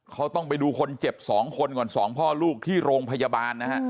เขาต้องไปดูคนเจ็บ๒คนก่อน๒พ่อลูกที่โรงพยาบาลนะฮะ